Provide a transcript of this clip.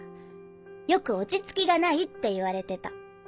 よく落ち着きがないって言われてた。